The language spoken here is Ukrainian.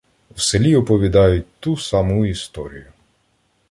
В селі оповідають ту саму історію.